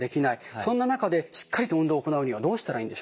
そんな中でしっかりと運動を行うにはどうしたらいいんでしょうか？